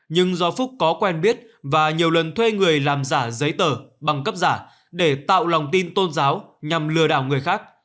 nhưng do phúc có quen biết và nhiều lần thuê người làm giả giấy tờ bằng cấp giả để tạo lòng tin tôn giáo nhằm lừa đảo người khác